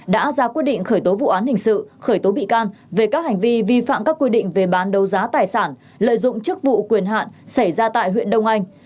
đã ra quyết định khởi tố vụ án hình sự khởi tố bị can về các hành vi vi phạm các quy định về bán đấu giá tài sản lợi dụng chức vụ quyền hạn xảy ra tại huyện đông anh